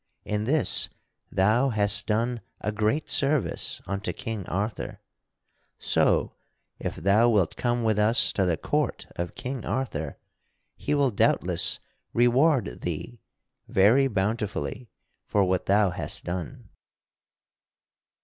In this thou hast done a great service unto King Arthur, so if thou wilt come with us to the court of King Arthur, he will doubtless reward thee very bountifully for what thou hast done."